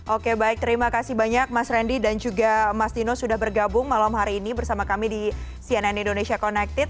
oke baik terima kasih banyak mas randy dan juga mas dino sudah bergabung malam hari ini bersama kami di cnn indonesia connected